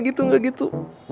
gitu enggak gitu